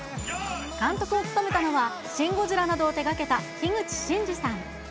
監督を務めたのは、シンゴジラなどを手がけた樋口真嗣さん。